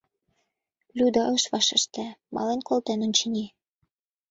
Люда ыш вашеште — мален колтен, очыни.